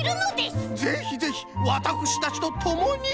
ぜひぜひわたくしたちとともに。